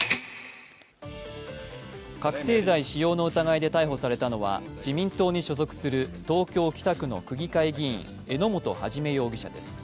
覚醒剤使用の疑いで逮捕されたのは自民党に所属する東京・北区の都議会議員榎本一容疑者です。